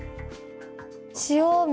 塩水。